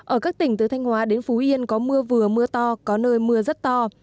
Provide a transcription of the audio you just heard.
ở các tỉnh từ thanh hóa đến phú yên có mưa vừa mưa to có nơi mưa rất to